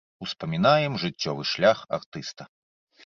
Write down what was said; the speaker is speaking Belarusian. Успамінаем жыццёвы шлях артыста.